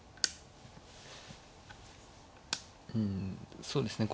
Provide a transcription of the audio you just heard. うんそうですね